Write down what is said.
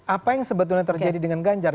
apa yang sebetulnya terjadi dengan ganjar